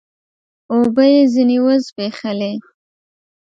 اوبه يې ځيني و زبېښلې